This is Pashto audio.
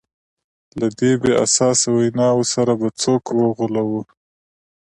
له دې بې اساسه ویناوو سره به څوک وغولوو.